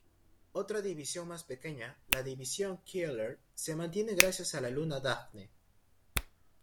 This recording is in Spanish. Otra división más pequeña, la división Keeler, se mantiene gracias a la luna Dafne.